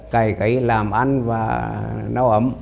cài cấy làm ăn và nấu ấm